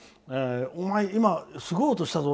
お前、今、すごい音したぞ。